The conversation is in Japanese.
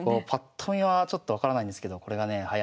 パッと見はちょっと分からないんですけどこれがねえ